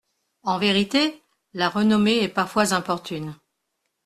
En vérité, la renommée est parfois importune.